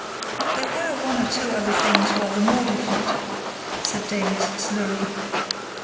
"There were one or two things rather more definite," said Davies, slowly.